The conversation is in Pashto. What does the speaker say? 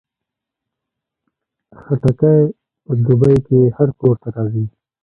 خټکی په دوبۍ کې هر کور ته راځي.